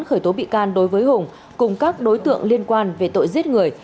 khởi tố bị can đối với hùng cùng các đối tượng liên quan về tội giết người